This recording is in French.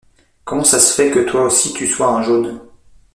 comment ça se fait que toi aussi tu sois un jaune.